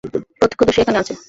প্রত্যক্ষদর্শী এখানে আছে।